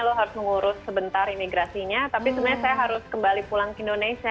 lo harus mengurus sebentar imigrasinya tapi sebenarnya saya harus kembali pulang ke indonesia